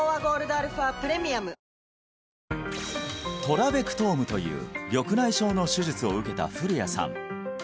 トラベクトームという緑内障の手術を受けた古屋さん